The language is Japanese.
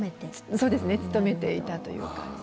そうですね努めていたという感じで。